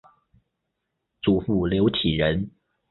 祖父刘体仁。